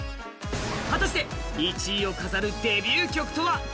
果たして１位を飾るデビュー曲とは？